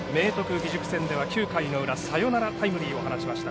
義塾戦では９回の裏サヨナラタイムリーを放ちました。